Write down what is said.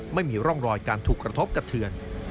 ไม่มีร่องรอยการถูกกระทบกระเทือน